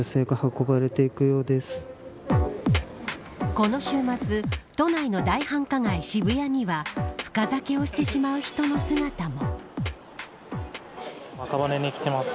この週末都内の大繁華街、渋谷には深酒をしてしまう人の姿も。